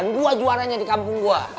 bayi terbaik dan dua juaranya di kampung gue